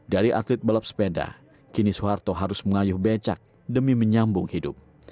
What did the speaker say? dari atlet balap sepeda kini soeharto harus mengayuh becak demi menyambung hidup